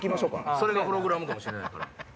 それがホログラムかもしれないから。